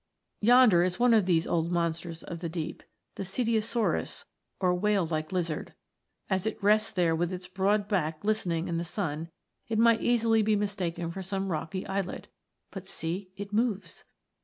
Yonder is one of these old monsters of the deep :* as it rests there with its broad back glistening in the sun, it might easily be mistaken for some rocky islet but see, it moves